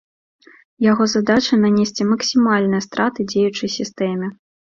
Яго задача нанесці максімальныя страты дзеючай сістэме.